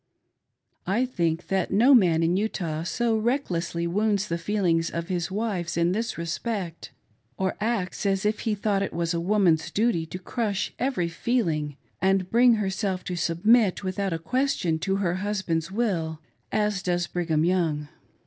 I think that no man in Utah so recklessly wounds the feelings of his wives in this respect, or acts as if he thought it was a woman's duty to crush every feeling and bring herself to submit without a question to her husband's will, as does Brigham , Young.